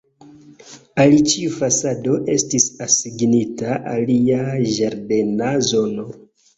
Al ĉiu fasado estis asignita alia ĝardena zono.